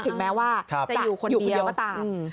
ถึงแม้ว่าจะอยู่คนเดียวก็ตาม